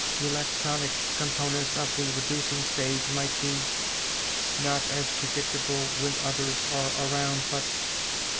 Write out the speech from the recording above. electronic components of the reducing stage might be ... not as predictable when others are around but